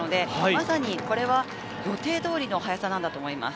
まさにこれは予定通りの速さなんだと思います。